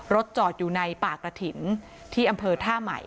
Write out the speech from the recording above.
จอดอยู่ในป่ากระถิ่นที่อำเภอท่าใหม่